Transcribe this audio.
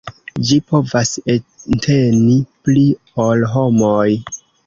Ĝi povas enteni pli ol homoj.